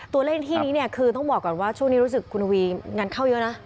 ตัวเลขที่นี้เนี่ยคือต้องบอกก่อนว่าช่วงนี้รู้สึกคุณทวีงานเข้าเยอะนะ